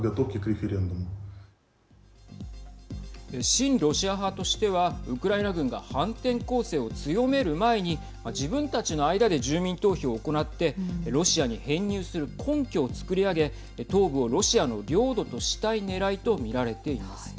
親ロシア派としてはウクライナ軍が反転攻勢を強める前に自分たちの間で住民投票を行ってロシアに編入する根拠をつくり上げ東部をロシアの領土としたいねらいと見られています。